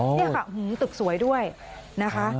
นี่ค่ะตึกสวยด้วยนะคะ